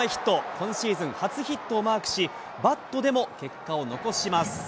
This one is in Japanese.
今シーズン初ヒットをマークし、バットでも結果を残します。